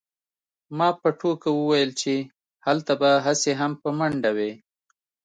ما په ټوکه وویل چې هلته به هسې هم په منډه وې